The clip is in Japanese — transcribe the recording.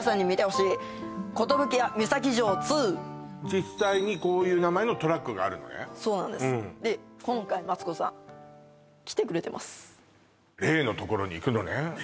実際にこういう名前のトラックがあるのねそうなんですで今回マツコさん来てくれてます